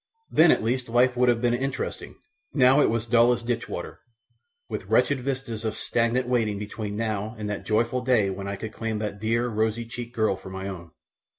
Then at least life would have been interesting; now it was dull as ditch water, with wretched vistas of stagnant waiting between now and that joyful day when I could claim that dear, rosy checked girl for my own.